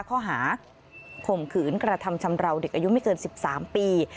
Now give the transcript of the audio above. ข้อหาข่มขืนกระทำชำราวเด็กอายุไม่เกิน๑๓ปี